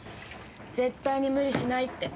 絶対に無理しないって。